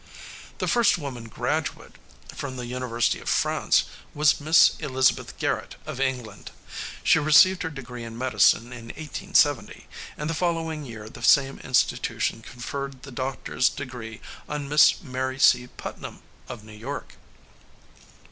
The first woman graduate from the University of France was Miss Elizabeth Garrett, of England. She received her degree in medicine in 1870, and the following year the same institution conferred the doctor's degree on Miss Mary C. Putnam, of New York.